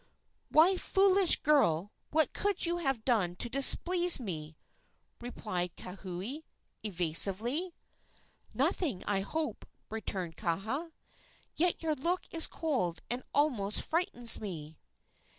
"Why, foolish girl, what could you have done to displease me?" replied Kauhi, evasively. "Nothing, I hope," returned Kaha; "yet your look is cold and almost frightens me."